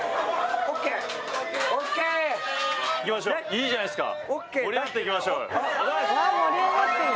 ・いいじゃないですか！